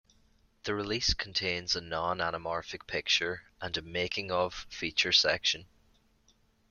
The release contains a non-anamorphic picture and a "making of" feature section.